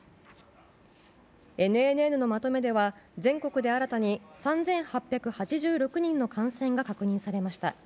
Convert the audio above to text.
ＮＮＮのまとめでは全国で新たに３８８６人の感染が確認されました。